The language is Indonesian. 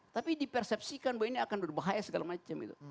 tapi dipersepsikan bahwa ini akan berbahaya segala macam itu